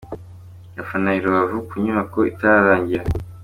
Abafana i Rubavu ku nyubako itararangira.